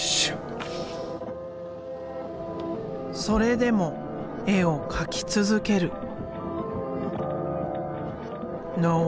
それでも絵を描き続ける。